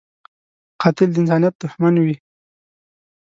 قاتل د انسانیت دښمن وي